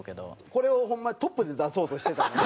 これをホンマにトップで出そうとしてたもんな。